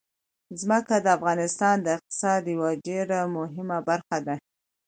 ځمکه د افغانستان د اقتصاد یوه ډېره مهمه برخه ده.